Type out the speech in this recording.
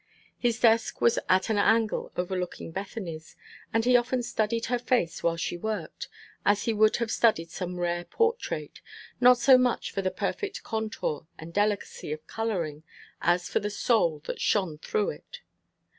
His desk was at an angle overlooking Bethany's, and he often studied her face while she worked, as he would have studied some rare portrait not so much for the perfect contour and delicacy of coloring as for the soul that shone through it.